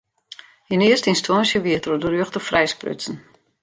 Yn earste ynstânsje wie er troch de rjochter frijsprutsen.